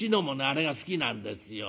あれが好きなんですよ。